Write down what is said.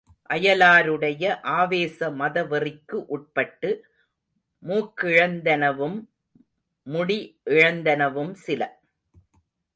அயலாருடைய ஆவேச மதவெறிக்கு உட்பட்டு மூக்கிழந்தனவும், முடி இழந்தனவும் சில.